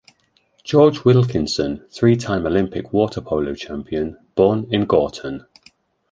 George Wilkinson, three-time Olympic water polo champion, born in Gorton.